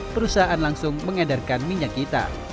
perusahaan langsung mengedarkan minyak kita